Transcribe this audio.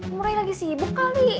om roy lagi sibuk kali